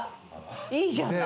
いいじゃない。